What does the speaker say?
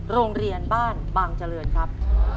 โรงเรียนบ้านบางเจริญครับ